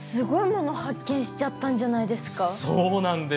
そうなんです！